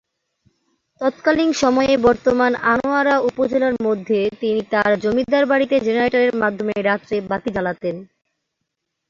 তৎকালীন সময়ে বর্তমান আনোয়ারা উপজেলার মধ্যে তিনি তার জমিদার বাড়িতে জেনারেটরের মাধ্যমে রাত্রে বাতি জালাতেন।